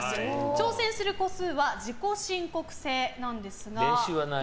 挑戦する個数は自己申告制なんですが。